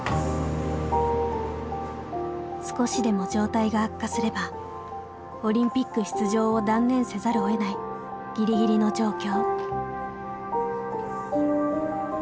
少しでも状態が悪化すればオリンピック出場を断念せざるをえないギリギリの状況。